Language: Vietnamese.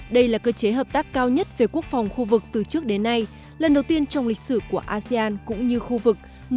đối tác cao nhất về quốc phòng khu vực từ trước đến nay lần đầu tiên trong lịch sử của asean cũng như khu vực